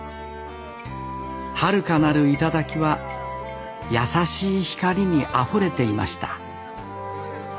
遥かなる頂は優しい光にあふれていました